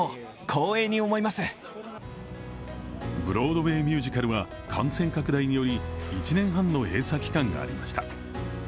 ブロードウェイミュージカルは感染拡大により１年半の閉鎖期間がありました。